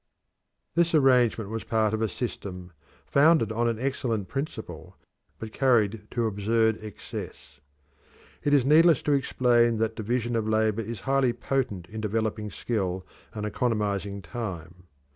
This arrangement was part of a system founded on an excellent principle, but carried to absurd excess. It is needless to explain that division of labour is highly potent in developing skill and economising time.